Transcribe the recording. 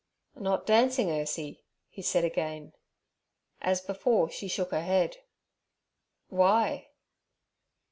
'Not dancing, Ursie?' he said again. As before, she shook her head. 'Why?'